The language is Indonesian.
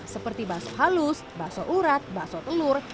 seperti baso halus baso urat baso telur